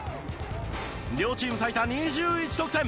両チーム最多２１得点。